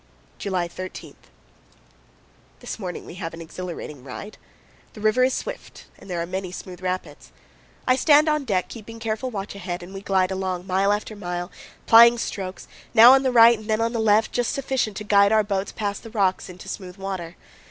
July 13. This morning we have an exhilarating ride. The river is swift, and there are many smooth rapids. I stand on deck, keeping careful watch ahead, and we glide along, mile after mile, plying strokes, now on the right and then on the left, just sufficient to guide our boats past the rocks into smooth water.